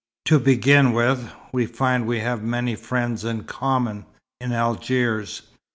"To begin with, we find we have many friends in common, in Algiers.